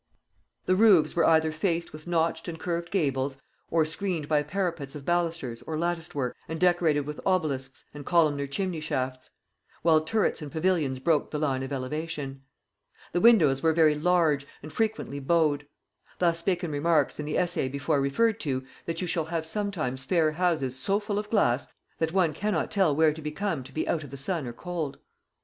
The roofs were either faced with notched and curved gables, or screened by parapets of ballustres or latticed work and decorated with obelisks and columnar chimney shafts; while turrets and pavilions broke the line of elevation. The windows were very large, and frequently bowed: thus Bacon remarks, in the Essay before referred to, that 'you shall have sometimes fair houses so full of glass that one cannot tell where to become to be out of the sun or cold.'